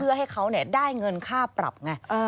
เพื่อให้เขาได้เงินค่าปรับไง